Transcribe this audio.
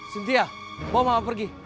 cynthia bawa mama pergi